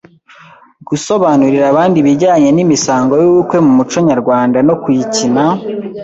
Gusobanurira abandi ibijyanye n’imisango y’ubukwe mu muco nyarwanda no kuyikina